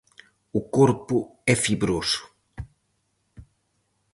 O corpo é fibroso.